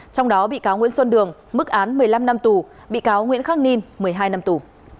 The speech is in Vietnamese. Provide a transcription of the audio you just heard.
trong đó bị cáo nguyễn xuân đường mức án một mươi năm năm tù bị cáo nguyễn khắc ninh một mươi hai năm tù